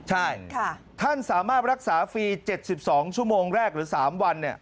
ใช่ท่านสามารถรักษาฟรี๗๒ชั่วโมงแรกหรือ๓วัน